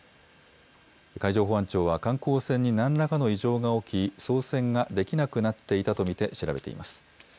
海上保安庁は観光船になんらかの異常が起き、操船ができなくなっていたと見て、調べています。